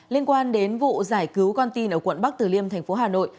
liên quan đến vụ giải cứu con tin ở quận bắc tử liêm thành phố hà nội